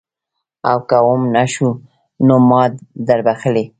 او که وم نه شو نو ما دربخلي.